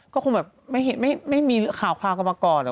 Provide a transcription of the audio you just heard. ก็คงแบบไม่เห็นไม่มีข่าวคลาวเข้ามาก่อน